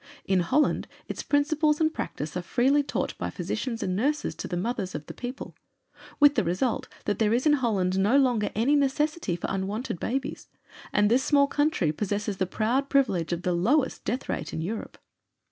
In Holland its principles and practice are freely taught by physicians and nurses to the mothers of the people, with the result that there is in Holland no longer any necessity for unwanted babies, and this small country possesses the proud privilege of the lowest death rate in Europe.